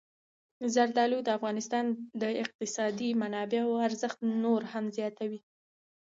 زردالو د افغانستان د اقتصادي منابعو ارزښت نور هم زیاتوي.